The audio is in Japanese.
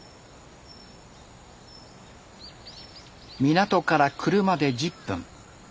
港から車で１０分。